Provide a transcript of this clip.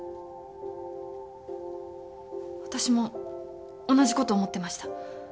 私も同じこと思ってました。